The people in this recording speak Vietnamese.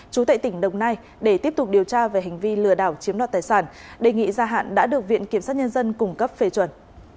chú tại tỉnh đồng nai để tiếp tục điều tra về hành vi lừa đảo chiếm đoạt tài sản đề nghị gia hạn đã được viện kiểm sát nhân dân cung cấp phê chuẩn